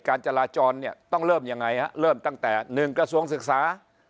การจราจรต้องเริ่มอย่างไรเริ่มตั้งแต่๑กระทรวงศึกษา